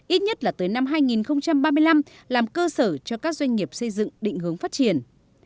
ít nhất là tới năm hai nghìn ba mươi năm làm cơ sở cho các doanh nghiệp xây dựng định hướng phát triển